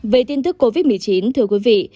về tin tức covid một mươi chín thưa quý vị